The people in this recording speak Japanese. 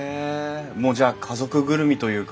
もうじゃあ家族ぐるみというか。